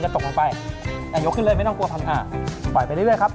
เราจะใช้ปลาหมึกสดครับ